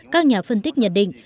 các nhà phân tích nhận định